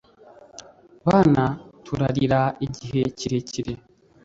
Bana turarira igihe kirekire